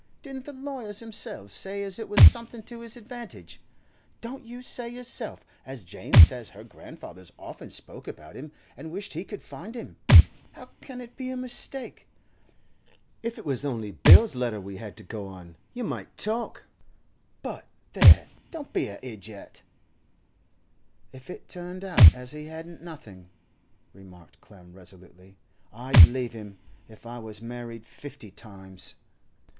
Didn't the lawyers themselves say as it was something to his advantage? Don't you say yourself as Jane says her grandfather's often spoke about him and wished he could find him? How can it be a mistake? If it was only Bill's letter we had to go on, you might talk; but—there, don't be a ijiot!' 'If it turned out as he hadn't nothing,' remarked Clem resolutely, 'I'd leave him, if I was married fifty times.